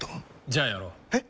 じゃあやろう。え？